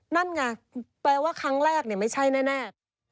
นั่นไงแปลว่าครั้งแรกไม่ใช่แน่